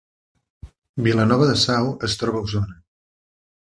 Vilanova de Sau es troba a Osona